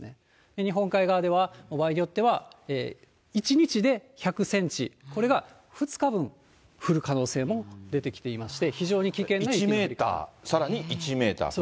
日本海側では、場合によっては１日で１００センチ、これが２日分降る可能性も出てきていまして、１メートル、さらに１メートル。